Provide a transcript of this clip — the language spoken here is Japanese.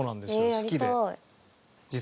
好きで。